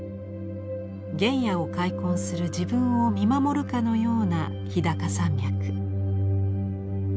原野を開墾する自分を見守るかのような日高山脈。